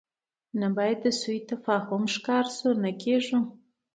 نه باید د سوء تفاهم ښکار شو، نه کېږو.